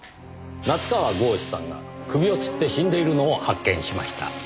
夏河郷士さんが首をつって死んでいるのを発見しました。